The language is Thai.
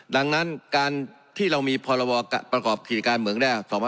ดังนั้นการที่เรามีพรบประกอบกิจการเมืองแรก๒๕๖